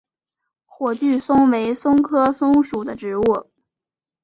火炬松为松科松属的植物。